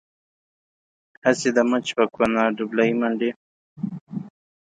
هسې د مچ په کونه ډبلی منډي.